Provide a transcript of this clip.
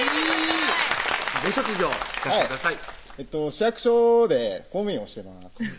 市役所で公務員をしてます